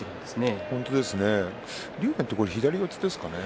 竜電は左四つですか？